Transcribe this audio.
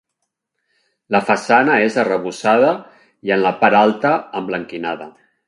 La façana és arrebossada i en la part alta emblanquinada.